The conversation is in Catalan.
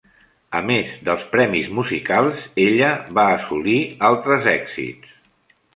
A més dels premis musicals, ella va assolir altres èxits.